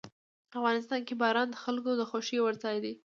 افغانستان کې باران د خلکو د خوښې وړ ځای دی.